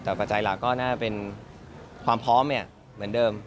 แต่ปัจจัยหลักก็น่าเป็นความพร้อมเหมือนเดิม